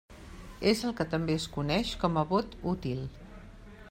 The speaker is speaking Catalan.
És el que també es coneix com a «vot útil».